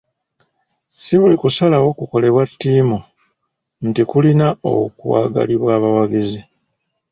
Si buli kusalawo kukolebwa ttiimu nti kulina okwagalibwa abawagizi.